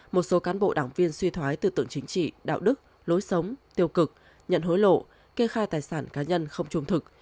một số cán bộ đảng viên suy thoái tư tưởng chính trị đạo đức lối sống tiêu cực nhận hối lộ kê khai tài sản cá nhân không trung thực